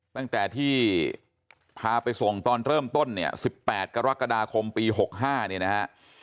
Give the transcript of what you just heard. ตั้งแต่ที่พาไปส่งตอนเริ่มต้นเนี่ย๑๘กรกฎาคมปี๖๕เนี่ยนะฮะ